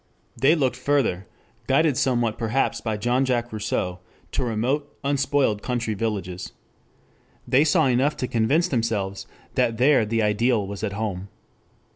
They looked further, guided somewhat perhaps by Jean Jacques Rousseau, to remote, unspoiled country villages. They saw enough to convince themselves that there the ideal was at home.